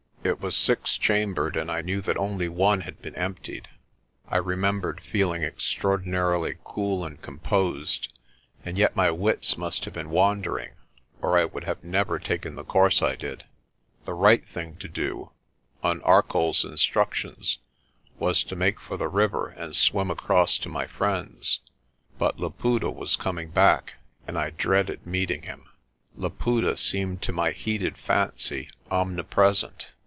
It was six chambered, and I knew that only one had been emptied. I remembered feeling extraordinarily cool and composed, and yet my wits must have been wandering or I would have never taken the course I did. The right thing to do on ArcolPs instructions was to make for the river and swim across to my friends. But Laputa was coming back, and I dreaded meeting him. Laputa seemed to my heated fancy omnipresent.